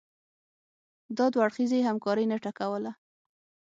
او دوه اړخیزې همکارۍ نټه کوله